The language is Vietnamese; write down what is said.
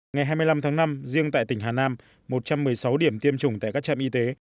ngày hai mươi năm tháng năm riêng tại tỉnh hà nam một trăm một mươi sáu điểm tiêm chủng tại các trạm y tế